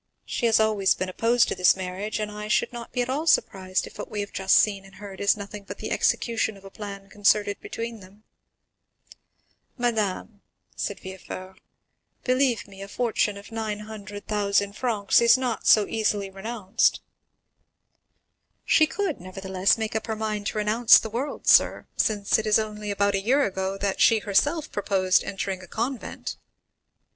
She has always been opposed to this marriage, and I should not be at all surprised if what we have just seen and heard is nothing but the execution of a plan concerted between them." "Madame," said Villefort, "believe me, a fortune of 900,000 francs is not so easily renounced." "She could, nevertheless, make up her mind to renounce the world, sir, since it is only about a year ago that she herself proposed entering a convent."